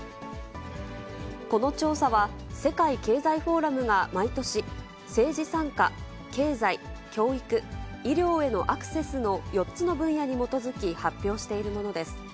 この調査は世界経済フォーラムが毎年、政治参加、経済、教育、医療へのアクセスの４つの分野に基づき発表しているものです。